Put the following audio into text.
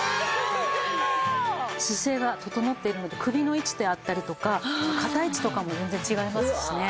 姿勢が整っているので首の位置であったりとか肩位置とかも全然違いますしね。